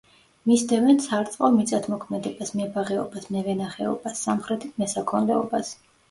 მისდევენ სარწყავ მიწათმოქმედებას, მებაღეობას, მევენახეობას, სამხრეთით მესაქონლეობას.